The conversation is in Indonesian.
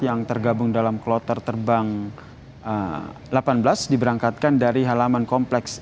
yang tergabung dalam kloter terbang delapan belas diberangkatkan dari halaman kompleks